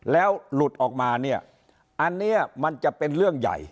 แล้วหลุดออกมาเนี่ยอันนี้มันจะเป็นเรื่องใหญ่